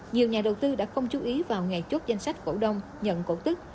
nhiều nhà đầu tư đã không chú ý vào nghề chốt danh sách cổ đông nhận cổ tức